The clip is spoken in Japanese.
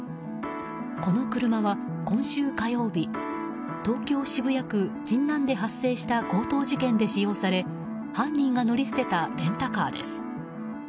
この車は、今週火曜日東京・渋谷区神南で発生した強盗事件で使用され犯人が乗り捨てたレンタカーです。